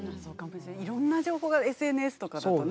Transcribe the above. いろんな情報がＳＮＳとかだとね